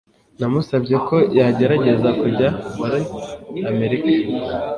Namusabye ko yagerageza kujya muri Amerika